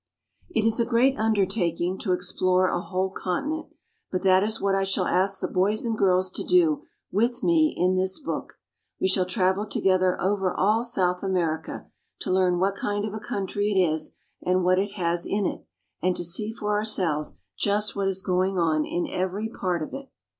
IT is a great undertaking to explore a whole continent, but that is what I shall ask the boys and girls to do with me in this book. We shall travel together over all South America, to learn what kind of a country it is and what it has in it, and to see for ourselves just what is going on in every part of it.